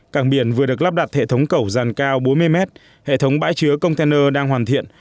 cảng biển vừa được lắp đặt hệ thống cẩu dàn cao bốn mươi mét hệ thống bãi chứa container đang hoàn thiện